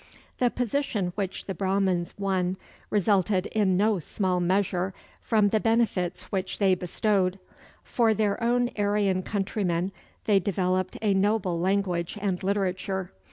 The position which the Brahmans won resulted in no small measure from the benefits which they bestowed. For their own Aryan countrymen they developed a noble language and literature.